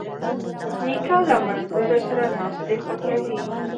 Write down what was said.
نیکه له ملګرو سره ناستې خوښوي.